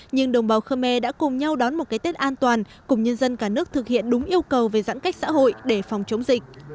nhưng đồng bào khơ me đã cùng nhau đón một cái tết an toàn cùng nhân dân cả nước thực hiện đúng yêu cầu về giãn cách xã hội để phòng chống dịch